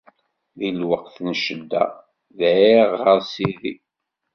Di lweqt n ccedda, dɛiɣ ɣer Sidi.